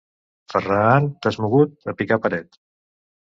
Ferraaan, t'has mogut, a picar paret!